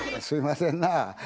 すいませんなぁ。